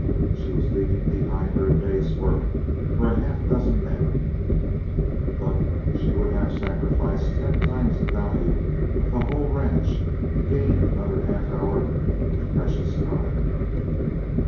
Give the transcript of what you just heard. She was leaving behind her a day's work for half a dozen men, but she would have sacrificed ten times the value of the whole ranch to gain another half hour of precious time.